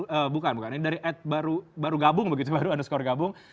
oh bukan bukan ini dari at baru gabung begitu baru underscore gabung